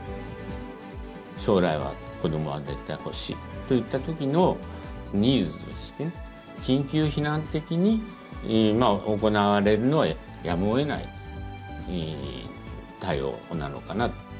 将来は、子どもは絶対欲しいといったときのニーズとして、緊急避難的に行われるのはやむをえない対応なのかなと。